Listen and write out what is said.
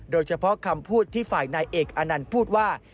เฉพาะคำพูดที่ฝ่ายนายเอกอานันต์พูดว่า